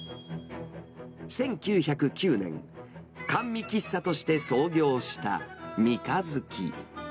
１９０９年、甘味喫茶として創業したみかづき。